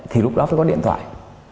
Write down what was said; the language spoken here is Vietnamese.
thì lúc đó phải có điện thoại